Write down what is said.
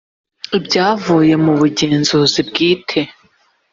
ibyavuye mu bugenzuzi bwite